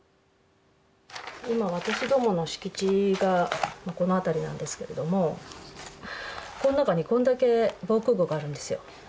今私どもの敷地がこの辺りなんですけれどもこの中にこんだけ防空ごうがあるんですよ。